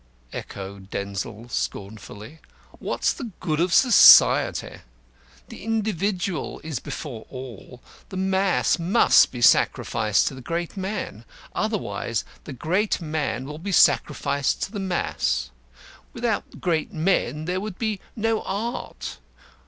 echoed Denzil, scornfully. "What's the good of Society? The Individual is before all. The mass must be sacrificed to the Great Man. Otherwise the Great Man will be sacrificed to the mass. Without great men there would be no art.